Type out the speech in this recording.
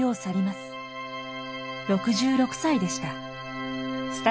６６歳でした。